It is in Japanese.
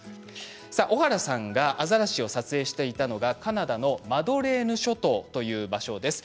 小原さんがアザラシを撮影していたのがカナダのマドレーヌ諸島という場所です。